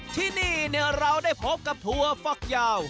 ที่นี่เราได้พบกับถั่วฟักยาว